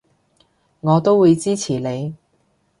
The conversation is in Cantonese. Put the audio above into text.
我都會支持你